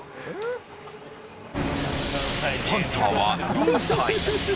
ハンターは４体。